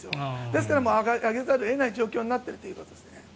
ですから上げざるを得ない状況になっているということですね。